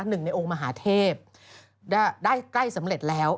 หนึ่งในองค์มหาเทพได้ใกล้สำเร็จแล้ว